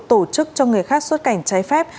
tổ chức cho người khác xuất cảnh trái phép